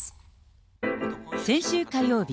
先週火曜日。